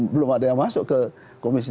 belum ada yang masuk ke komisi tiga